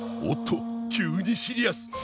おっと急にシリアス。